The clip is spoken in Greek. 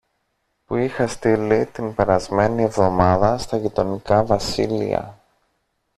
που είχα στείλει την περασμένη εβδομάδα στα γειτονικά βασίλεια